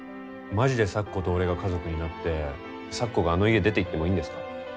まじで咲子と俺が家族になって咲子があの家出て行ってもいいんですか？